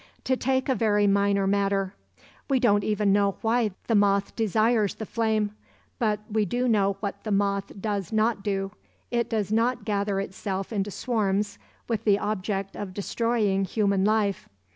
To take a very minor matter; we don't even know why the moth desires the flame. But we do know what the moth does not do; it does not gather itself into swarms with the object of destroying human life.